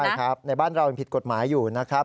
ใช่ครับในบ้านเรายังผิดกฎหมายอยู่นะครับ